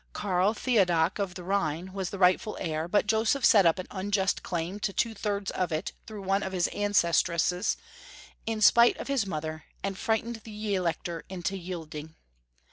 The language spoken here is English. Karl Theodoc of the Rhine was the right heir, but Joseph set up an unjust claim to two thirds of it through one of his ancestresses, in spite of his mother, and frightened the Elector into yielding.